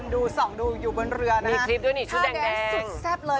ดูสองดูอยู่บนเรือนะฮะมีคลิปด้วยนี่ชุดแดงแดงท่าแดงสุดแซ่บเลย